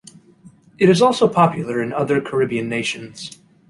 It is also popular in other Caribbean nations.